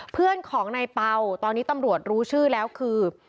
เพื่อนของนายเป่าตอนนี้ตำรวจรู้ชื่อแล้วคือ